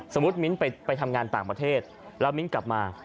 สมมุติมิ้นต์ไปทำงานต่างประเทศแล้วมิ้นต์กลับมา